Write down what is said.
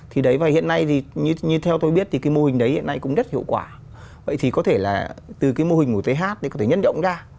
thì đấy và hiện nay thì như theo tôi biết thì cái mô hình đấy hiện nay cũng rất hiệu quả vậy thì có thể là từ cái mô hình của th để có thể nhân động ra